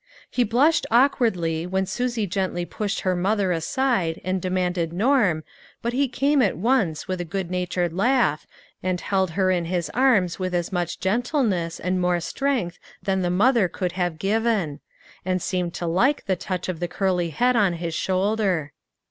AN UNEXPECTED HELPEB. 239 He blushed awkwardly when Susie gently pushed her mother aside and demanded Norm, but he came at once, with a good natured laugh, and held her in his arms with as much gentle ness and more strength than the mother could have given; and seemed to like the touch of the curly head on his shoulder.